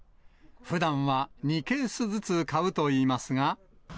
ふだんは２ケースずつ買うといいますが。